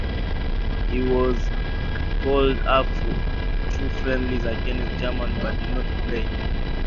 He was called up for two friendlies against Germany, but did not play.